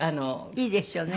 いいですよね。